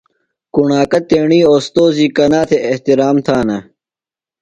کُݨاکہ تیݨی اوستوذی کنا تھےۡ احترام تھانہ؟